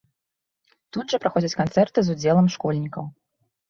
Тут жа праходзяць канцэрты з удзелам школьнікаў.